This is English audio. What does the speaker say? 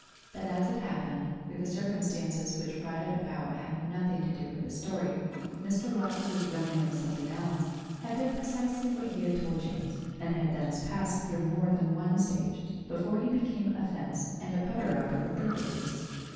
But, as it happened, though the circumstances which brought it about have nothing to do with this story, Mr. Watt (whose real name was something else) had been pre cisely what he had told James, and had thence passed through more than one stage before he became a fence and a putter up of burglaries.